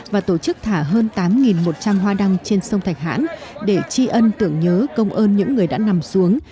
và tổ chức thả hơn tám một trăm linh hoa đăng trên sông thạch hãn để tri ân tưởng nhớ công ơn những người đã nằm xuống